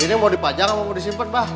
ini mau dipajang atau mau disimpan pak